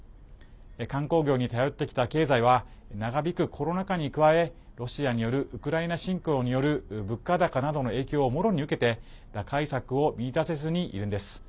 観光業に頼ってきた経済は長引くコロナ禍に加えロシアによるウクライナ侵攻による物価高などの影響をもろに受けて打開策を見いだせずにいるんです。